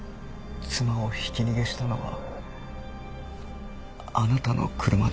妻をひき逃げしたのはあなたの車だ。